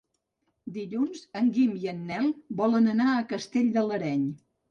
Dilluns en Guim i en Nel volen anar a Castell de l'Areny.